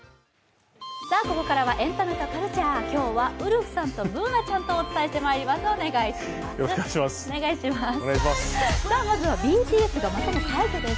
ここからは「エンタメとカルチャー」今日はウルフさんとＢｏｏｎａちゃんとお伝えしてまいります。